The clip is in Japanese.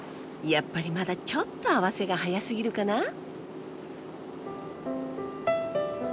やっぱりまだちょっとアワセが早すぎるかな？